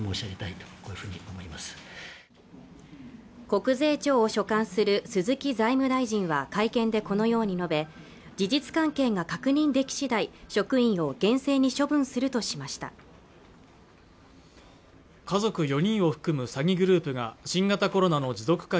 国税庁を所管する鈴木財務大臣は会見でこのように述べ事実関係が確認でき次第職員を厳正に処分するとしました家族４人を含む詐欺グループが新型コロナの持続化